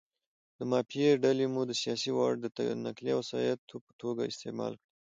مافیایي ډلې مو د سیاسي واټ د نقلیه وسایطو په توګه استعمال کړي.